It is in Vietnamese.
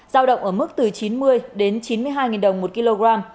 giao động ở mức từ chín mươi đến chín mươi hai đồng một kg